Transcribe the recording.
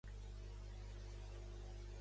La meva mare es diu Nerea Saez: essa, a, e, zeta.